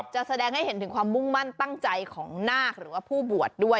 แสดงให้เห็นถึงความมุ่งมั่นตั้งใจของนาคหรือว่าผู้บวชด้วย